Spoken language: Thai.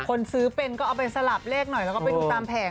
คนซื้อเป็นก็เอาไปสลับเลขหน่อยแล้วก็ไปดูตามแผง